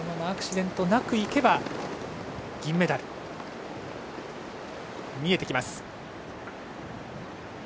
アクシデントなくいけば銀メダルが見えてきます。